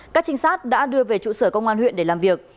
các trinh sát đã đưa về trụ sở công an huyện để làm việc